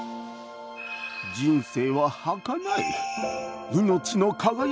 人生ははかない。